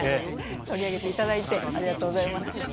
取り上げていただいてありがとうございます。